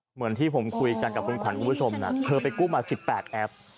เหมือนที่ผมคุยกันกับคุณขวัญคุณผู้ชมนะเธอไปกู้มา๑๘แอป